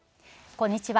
こんにちは。